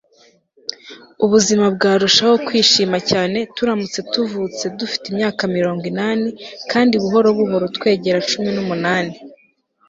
Ubuzima bwarushaho kwishima cyane turamutse tuvutse dufite imyaka mirongo inani kandi buhoro buhoro twegera cumi numunani